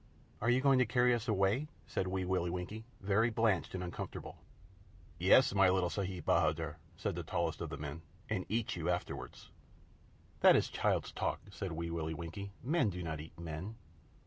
"Are you going to carry us away?" said Wee Willie Winkie, very blanched and uncomfortable. "Yes, my little Sahib Bahadur," said the tallest of the men, "and eat you afterward." "That is child's talk," said Wee Willie Winkie. "Men do not eat men."